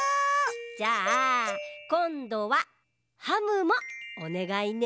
じゃあこんどはハムもおねがいね。